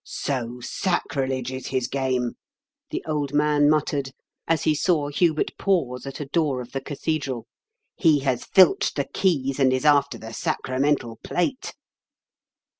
" So sacrilege is his game !" the old man muttered, as he saw Hubert pause at a door of A LEGEND OF QUNDULPE*8 TOWEE. 103 the cathedral. ^' He has filched the keys, and is after the sacramental plate."